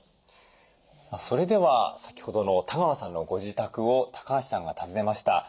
それでは先ほどの多川さんのご自宅を橋さんが訪ねました。